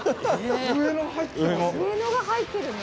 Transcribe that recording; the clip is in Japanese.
上野が入ってるんだ。